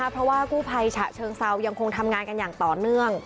เพราะว่ากู้ภัยฉะเชิงเซายังคงทำงานกันอย่างต่อเนื่อง